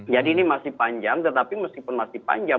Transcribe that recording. jadi ini masih panjang tetapi meskipun masih panjang